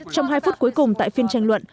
trong hai phút cuối cùng tại phiên tranh luận